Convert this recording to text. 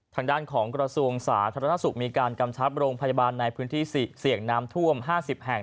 ทางด้านของกระทรวงสาธารณสุขมีการกำชับโรงพยาบาลในพื้นที่เสี่ยงน้ำท่วม๕๐แห่ง